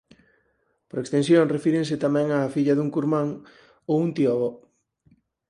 Por extensión refírese tamén á filla dun curmán ou un tío avó.